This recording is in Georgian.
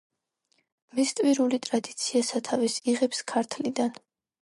მესტვირული ტრადიცია სათავეს იღებს ქართლიდან.